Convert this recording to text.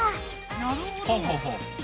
なるほど。